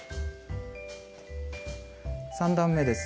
３段めです。